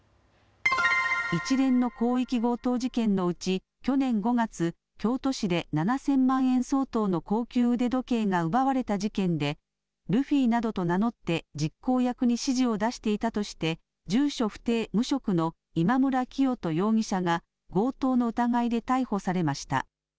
一連の広域強盗事件のうち去年５月、京都市で７０００万円相当の高級腕時計が奪われた事件でルフィなどと名乗って実行役に指示を出していたとして住所不定、無職の今村磨人容疑者が強盗の疑いで逮捕されました。